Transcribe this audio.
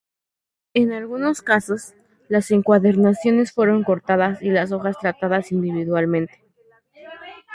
En algunos casos, las encuadernaciones fueron cortadas y las hojas tratadas individualmente.